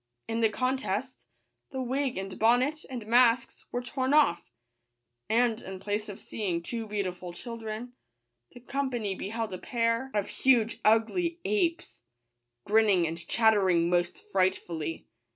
In the contest, the wig, and bonnet, and masks, were tom off; and, in place of seeing two beautiful children, the company beheld a pair of huge ugly apes, grinning and chattering most frightfully.